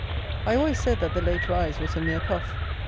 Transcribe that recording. I always said that the late rise was a mere puff.